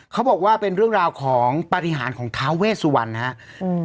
เขาบอกว่าเป็นเรื่องราวของปฏิหารของท้าเวสวรรณนะครับ